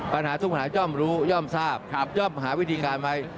ปัญหาทุกปัญหาย่อมรู้ย่อมทราบย่อมหาวิธีการไว้